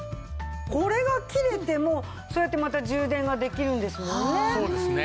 これが切れてもそうやってまた充電ができるんですもんね。